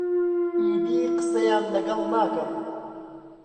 ئیدی قسەیان لەگەڵ ناکەم.